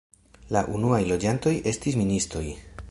La unuaj loĝantoj estis ministoj.